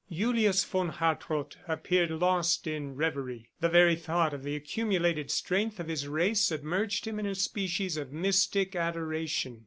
Julius von Hartrott appeared lost in reverie. The very thought of the accumulated strength of his race submerged him in a species of mystic adoration.